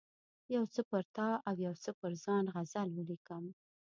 یو څه پر تا او یو څه پر ځان غزل ولیکم.